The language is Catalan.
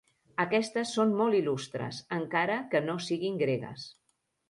Aquestes són molt il·lustres, encara que no siguin gregues.